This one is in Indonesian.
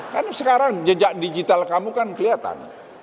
karena sekarang jejak digital kamu kan kelihatan